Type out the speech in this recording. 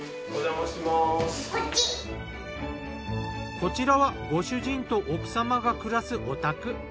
こちらはご主人と奥様が暮らすお宅。